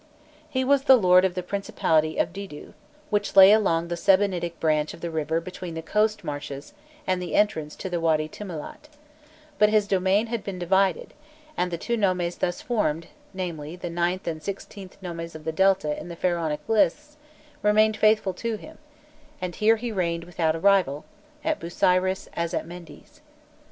[*] He was lord of the principality of Didû, which lay along the Sebennytic branch of the river between the coast marshes and the entrance to the Wâdy Tûmilât, but his domain had been divided; and the two nomes thus formed, namely, the ninth and sixteenth nomes of the Delta in the Pharaonic lists, remained faithful to him, and here he reigned without rival, at Busiris as at Mendes.